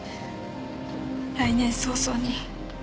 来年早々に。